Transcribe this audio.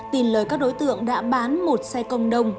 tin lời các đối tượng đã bán một xe công đông